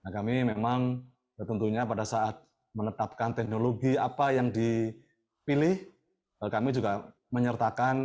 kami memang tentunya pada saat menetapkan teknologi apa yang dipilih kami juga menyertakan